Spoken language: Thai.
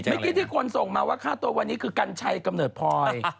เมื่อกี้ที่คนส่งมาว่าค่าตัววันนี้คือกัญชัยกำเนิดพลอย